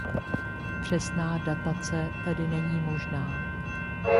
Přesná datace tedy není možná.